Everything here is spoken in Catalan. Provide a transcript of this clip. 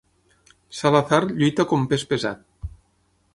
Salazar lluita com pes pesat.